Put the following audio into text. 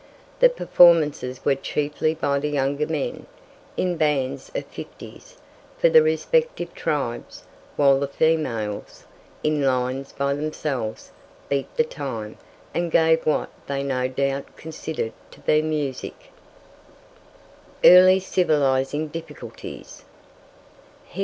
The performances were chiefly by the younger men, in bands of fifties, for the respective tribes, while the females, in lines by themselves, beat the time, and gave what they no doubt considered to be music. EARLY CIVILIZING DIFFICULTIES.